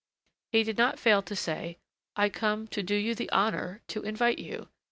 He did not fail to say: I come to do you the honor to invite you.